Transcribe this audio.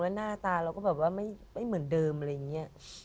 หน้าตาเราก็แบบว่าไม่เหมือนเดิมอะไรอย่างนี้